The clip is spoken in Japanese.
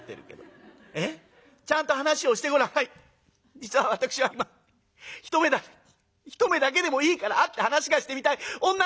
実は私は今一目だけ一目だけでもいいから会って話がしてみたい女の人がいるんです」。